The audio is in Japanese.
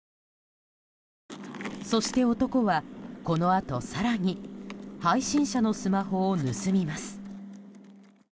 そして、男はこのあと更に配信者のスマホを盗みます。